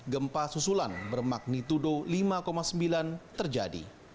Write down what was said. gempa susulan bermagnitudo lima sembilan terjadi